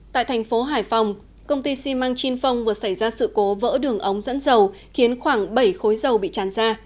tại thành phố hải phòng công ty xi măng chin phong vừa xảy ra sự cố vỡ đường ống dẫn dầu khiến khoảng bảy khối dầu bị tràn ra